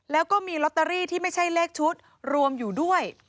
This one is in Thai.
แล้วก็มีลอตเตอรี่ที่ไม่ใช่เลขชุดรวมอยู่ด้วย